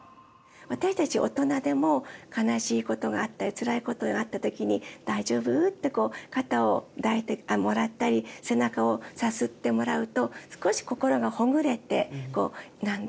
私たち大人でも悲しいことがあったりつらいことがあった時に「大丈夫？」ってこう肩を抱いてもらったり背中をさすってもらうと少し心がほぐれて何でも言える。